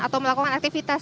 atau melakukan aktivitas